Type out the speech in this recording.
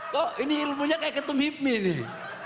kok ini ilmunya kayak ketum hipmi nih